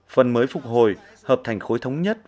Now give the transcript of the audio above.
phần mới phục hồi hợp thành khối thống nhất